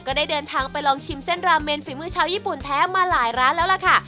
ได้เดินทางไปลองชิมเส้นราเมนฝีมือชาวญี่ปุ่นแท้มาหลายร้านแล้วล่ะค่ะ